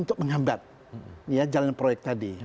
untuk menghambat jalan proyek tadi